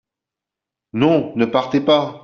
Non ! ne partez pas !